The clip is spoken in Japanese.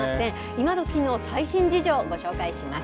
今どきの最新事情、ご紹介します。